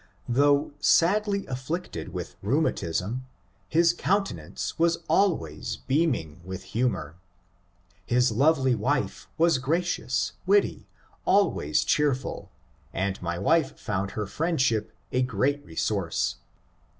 Though sadly afflicted with rheuma tism, his countenance was always beaming with humour. His lovely wife was gracious, witty, always cheerful, and my wife found her friendship a great resource.